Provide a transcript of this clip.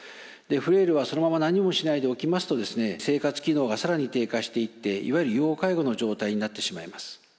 フレイルはそのまま何もしないでおきますと生活機能が更に低下していっていわゆる要介護の状態になってしまいます。